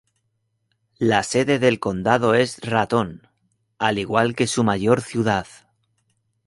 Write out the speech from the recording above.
La sede del condado es Ratón, al igual que su mayor ciudad.